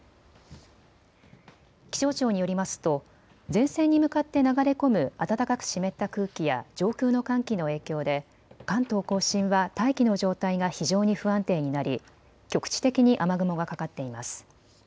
気象庁によりますと前線に向かって流れ込む暖かく湿った空気や上空の寒気の影響で関東甲信は大気の状態が非常に不安定になり局地的に雨雲がかかっています。